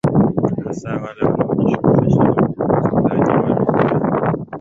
hasa wale wanaojishughulisha na ukuzaji wa lugha ya